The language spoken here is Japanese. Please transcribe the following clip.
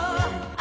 あ！